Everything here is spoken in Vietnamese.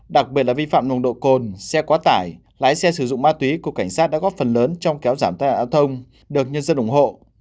đặc biệt là vi phạm nồng độ cồn xe quá tải lái xe sử dụng ma túy của cảnh sát đã góp phần lớn trong kéo giảm tai nạn giao thông được nhân dân ủng hộ